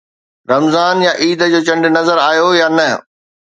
رمضان يا عيد جو چنڊ نظر آيو يا نه؟